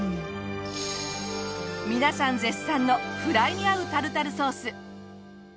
皆さん絶賛のフライに合うタルタルソース。